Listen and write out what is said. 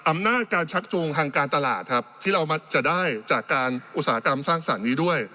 อำนาจการชักจูงทางการตลาดครับที่เรามักจะได้จากการอุตสาหกรรมสร้างสรรค์นี้ด้วย